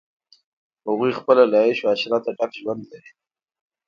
هغوی خپله له عیش و عشرته ډک ژوند لري.